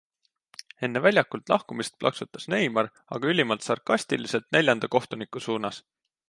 Enne väljakult lahkumist plaksutas Neymar aga ülimalt sarkastiliselt neljanda kohtuniku suunas.